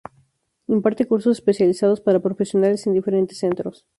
Imparte Cursos Especializados para Profesionales en diferentes centros